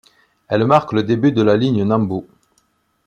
Elle marque le début de la ligne Nambu.